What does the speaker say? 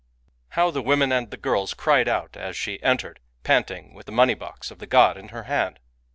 How the women and the girls cried out as she entered, panting, with the money box of the god in her hand!